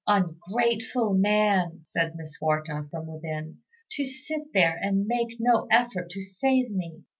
"Ungrateful man," said Miss Quarta from within, "to sit there and make no effort to save me."